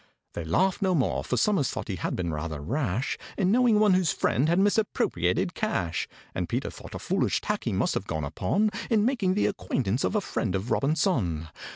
They laughed no more, for SOMERS thought he had been rather rash In knowing one whose friend had misappropriated cash; And PETER thought a foolish tack he must have gone upon In making the acquaintance of a friend of ROBINSON.